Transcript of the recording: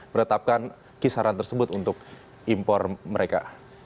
menetapkan kisaran tersebut untuk impor mereka